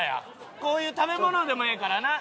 こういう食べ物でもええからな。